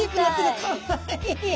かわいい。